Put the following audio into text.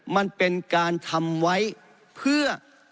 มันเป็นการทำไว้เพื่อ